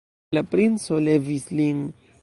La princo levis lin.